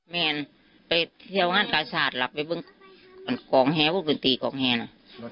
แม่นไปเที่ยวงานกาศาสตร์หลับไปบึงกองแฮบุคกินตีกองแฮน่ะ